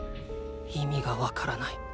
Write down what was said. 意味が分からない。